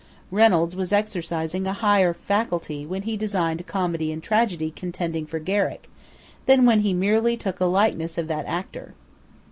Reynolds was exercising a higher faculty when he designed Comedy and Tragedy contending for Garrick, than when he merely took a likeness of that actor.